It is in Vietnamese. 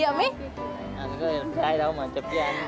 anh có sai đâu mà chụp cho anh ấy kìa